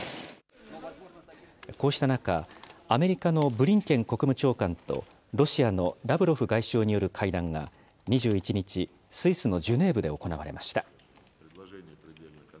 こうした中、アメリカのブリンケン国務長官と、ロシアのラブロフ外相による会談が、２１日、スイスのジュネーブで行われました。